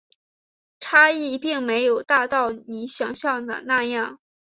差异并没有大到你想像的那样